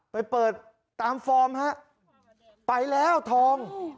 ไปเปิดตามฟอร์มฮะไปแล้วทอง